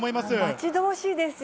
待ち遠しいですよ。